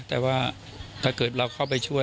แต่ว่าถ้าเกิดเราเข้าไปช่วย